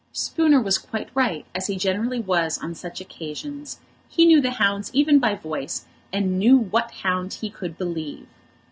Spooner was quite right, as he generally was on such occasions. He knew the hounds even by voice, and knew what hound he could believe.